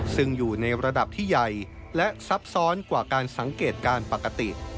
ซึ่งอยู่ในระดับที่ใหญ่และซับซ้อนกว่าการสังเกตการณ์ปกติ